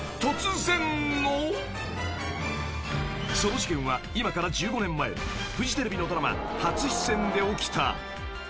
［その事件は今から１５年前フジテレビのドラマ初出演で起きた］